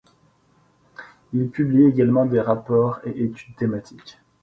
Il publie également des rapports et études thématiques.